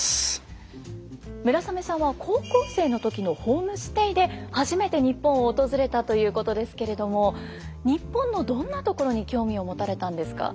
村雨さんは高校生の時のホームステイで初めて日本を訪れたということですけれども日本のどんなところに興味を持たれたんですか？